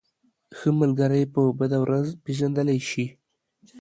ښه ملگری په بده ورځ پېژندلی شې.